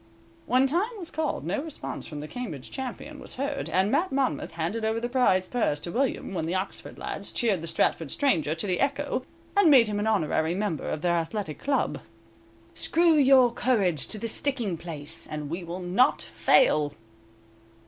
When time was called, no response from the Cambridge champion was heard, and Mat Monmouth handed over the prize purse to William, when the Oxford lads cheered the Stratford stranger to the echo, and made him an honorary member of their athletic club. _"Screw your courage to the sticking place, And we will not fail."